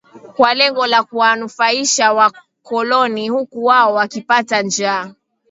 kwa lengo la kuwanufaisha wakoloni huku wao wakipata njaa